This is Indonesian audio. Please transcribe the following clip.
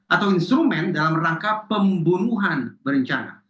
atau instrumen dalam rangka pembunuhan berencana